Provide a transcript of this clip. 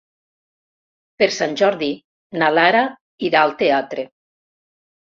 Per Sant Jordi na Lara irà al teatre.